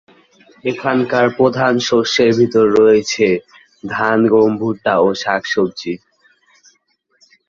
এখানকার প্রধান শস্যের মধ্যে রয়েছে ধান, গম, ভুট্টা ও শাকসবজি।